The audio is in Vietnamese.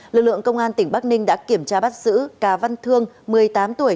lực lượng công an tỉnh bắc ninh đã kiểm tra bắt giữ cá văn thương một mươi tám tuổi